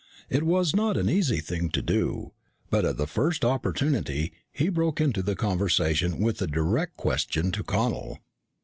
It was not an easy thing to do, but at the first opportunity he broke into the conversation with a direct question to Connel.